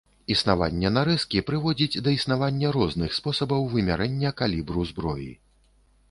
Існаванне нарэзкі прыводзіць да існавання розных спосабаў вымярэння калібру зброі.